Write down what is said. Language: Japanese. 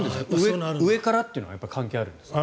上からっていうのが関係あるんですか？